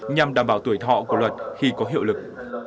nhằm đảm bảo tuổi thọ của luật khi có hiệu lực